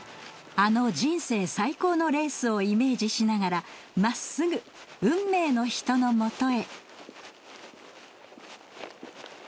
あの人生最高のレースをイメージしながら真っすぐ運命の人の元へ。